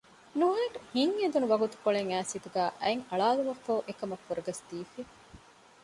ނުހަނު ހިތް އެދުނު ވަގުތުކޮޅެއް އައިސް ހިތުގައި އަތް އަޅާލުމަށްފަހު އެކަމަށް ފުރަގަސްދީފަ